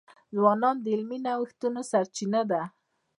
ځوانان د علمي نوښتونو سرچینه ده.